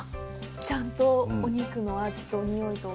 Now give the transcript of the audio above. ちゃんとお肉の味と匂いと。